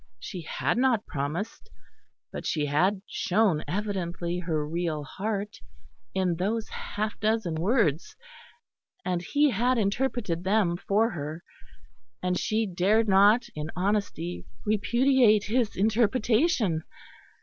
She had not promised; but she had shown evidently her real heart in those half dozen words; and he had interpreted them for her; and she dared not in honesty repudiate his interpretation.